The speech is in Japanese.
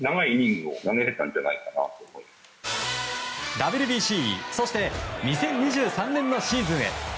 ＷＢＣそして２０２３年のシーズンへ。